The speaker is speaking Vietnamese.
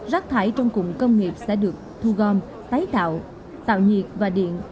rác thải trong cụm công nghiệp sẽ được thu gom tái tạo tạo nhiệt và điện